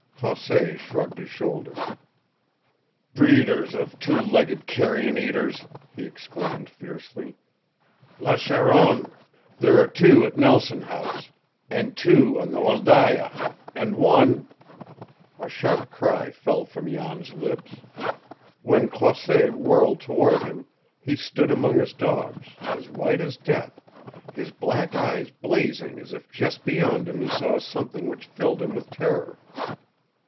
Croisset shrugged his shoulders. "Breeders of two legged carrion eaters!" he exclaimed fiercely. "La charogne! There are two at Nelson House, and two on the Wholdaia, and one " A sharp cry fell from Jan's lips. When Croisset whirled toward him, he stood among his dogs, as white as death, his black eyes blazing as if just beyond him he saw something which filled him with terror.